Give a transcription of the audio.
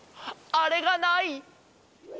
あれがない！